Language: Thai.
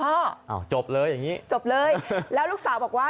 อ้าวจบเลยอย่างนี้จบเลยแล้วลูกสาวบอกว่า